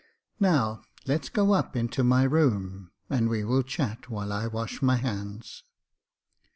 " Now let's go up into my room, and v/e will chat while I wash my hands."